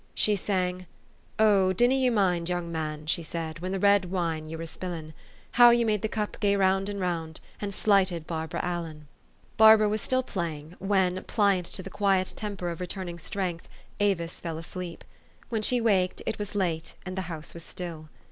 She sang, " Oh ! dinna ye mind, young man, she said, When the red wine ye were spillin', How ye made the cup gae round and round, An slighted Barbara Allen ?" Barbara was still playing, when, pliant to the quiet temper of returning strength, Avis fell asleep. When she waked, it was late, and the house was still.